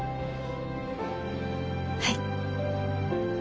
はい。